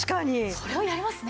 それはやりますね。